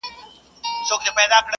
سندرې د انسان ژوند یوه برخه ده.